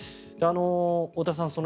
太田さん